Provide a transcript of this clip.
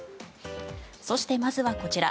そして、まずはこちら。